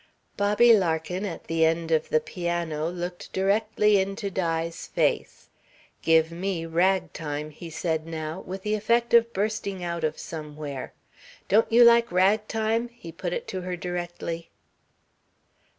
Bobby Larkin, at the end of the piano, looked directly into Di's face. "Give me ragtime," he said now, with the effect of bursting out of somewhere. "Don't you like ragtime?" he put it to her directly.